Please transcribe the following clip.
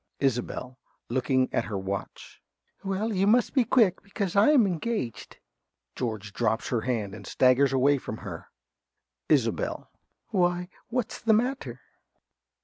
~Isobel~ (looking at her watch). Well, you must be quick. Because I'm engaged. (George drops her hand and staggers away from her.) ~Isobel.~ Why, what's the matter?